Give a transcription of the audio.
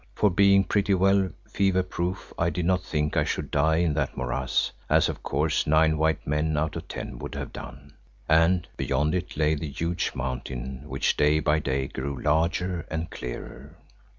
For being pretty well fever proof I did not think I should die in that morass, as of course nine white men out of ten would have done, and, beyond it lay the huge mountain which day by day grew larger and clearer.